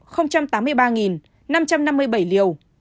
trong đó tiêm một mũi là bốn mươi